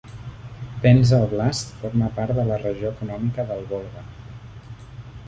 Penza Oblast forma part de la regió econòmica del Volga.